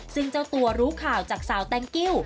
ซึ่งเจ้าตัวรู้ข่าวจากสาวแตงกิ้ว